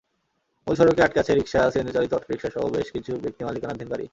মূল সড়কে আটকে আছে রিকশা, সিএনজিচালিত অটোরিকশাসহ বেশ কিছু ব্যক্তিমালিকানাধীন গাড়ি।